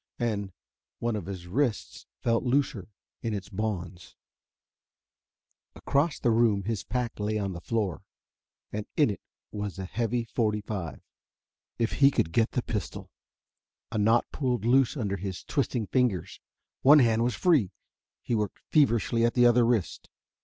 And one of his wrists felt looser in its bonds. Across the room his pack lay on the floor, and in it was a heavy forty five. If he could get the pistol.... A knot pulled loose under his twisting fingers. One hand was free. He worked feverishly at the other wrist.